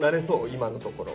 今のところ。